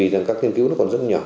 nhưng các nghiên cứu còn rất nhỏ